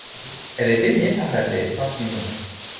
Elle est baignée par la baie Saint-Simon.